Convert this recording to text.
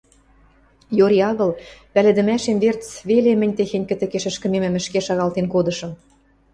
йори агыл, пӓлӹдӹмӓшем верц веле мӹнь техень кӹтӹкеш ӹшкӹмемӹм ӹшке шагалтен кодышым.